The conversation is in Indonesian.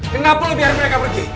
kenapa lo biarin mereka pergi